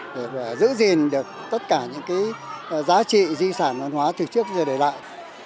để giữ gìn được tất cả những cái giá trị di sản văn hóa từ trước giờ để lại